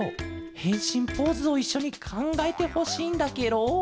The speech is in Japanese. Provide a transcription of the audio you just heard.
へんしんポーズをいっしょにかんがえてほしいんだケロ。